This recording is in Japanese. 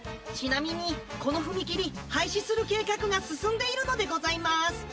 ちなみにこの踏切廃止する計画が進んでいるのでございます。